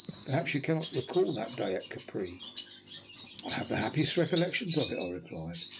Perhaps you cannot recall that day at Capri?" "I have the happiest recollections of it," I replied.